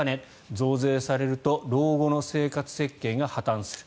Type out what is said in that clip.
増税されると老後の生活設計が破たんする。